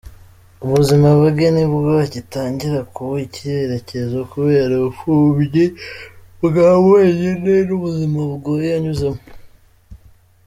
Ubuzima bwe nibwo agitangira kubuha icyerekezo kubera ubupfubyi bwa wenyine n’ubuzima bugoye yanyuzemo.